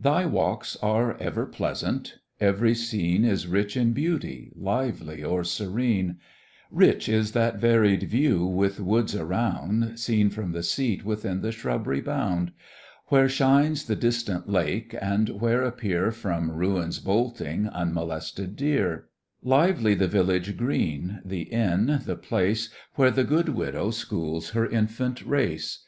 Thy walks are ever pleasant; every scene Is rich in beauty, lively, or serene Rich is that varied view with woods around, Seen from the seat within the shrubb'ry bound; Where shines the distant lake, and where appear From ruins bolting, unmolested deer; Lively the village green, the inn, the place, Where the good widow schools her infant race.